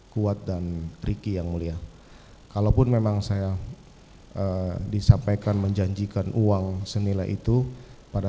kuat dan ricky yang mulia kalaupun memang saya disampaikan menjanjikan uang senilai itu pada